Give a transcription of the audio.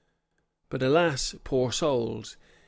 But alas! poor souls!